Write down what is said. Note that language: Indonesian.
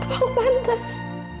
apakah aku pantas